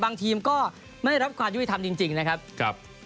บางทีมก็ไม่ได้รับความยุติธรรมจริงนะครับ